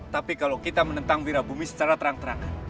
tapi kalau kita menentang wirabumi secara terang terangan